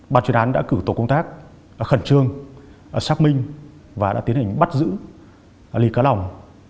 bà chuyên án đã cử tổ công tác khẩn trương xác minh và đã tiến hành bắt giữ ly cá lòng